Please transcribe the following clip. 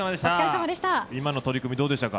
今の取組、どうでしたか？